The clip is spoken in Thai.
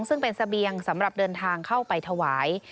ซึ่งเป็นเสบียงสำหรับเดินทางเข้าไปถวาย